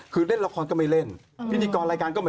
คือวันนี้ไม่มีพี่เลี้ยงนะ